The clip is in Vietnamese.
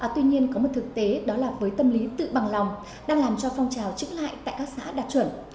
tuy nhiên có một thực tế đó là với tâm lý tự bằng lòng đang làm cho phong trào chững lại tại các xã đạt chuẩn